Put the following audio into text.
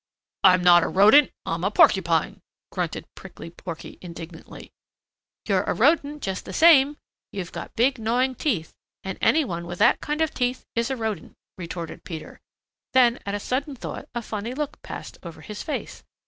"I'm not a Rodent; I'm a Porcupine," grunted Prickly Porky indignantly. "You're a Rodent just the same. You've got big gnawing teeth, and any one with that kind of teeth is a Rodent," retorted Peter. Then at a sudden thought a funny look passed over his face.